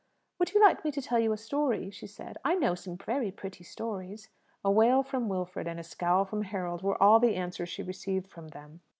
"Would you like me to tell you a story?" she said. "I know some very pretty stories." A wail from Wilfred and a scowl from Harold were all the answer she received from them.